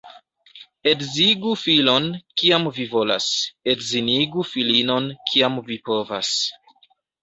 Edzigu filon, kiam vi volas, — edzinigu filinon, kiam vi povas.